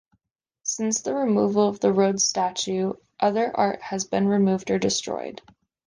Since the removal of the Rhodes statue, other art has been removed or destroyed.